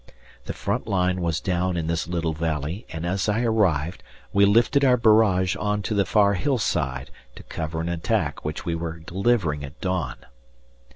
The front line was down in this little valley, and as I arrived we lifted our barrage on to the far hill side to cover an attack which we were delivering at dawn.